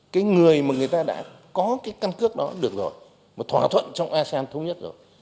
cái người mà người ta đã có cái căn cước đó được rồi mà thỏa thuận trong asean thống nhất rồi